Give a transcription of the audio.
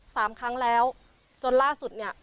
สามครั้งแล้วจนล่าสุดเนี่ย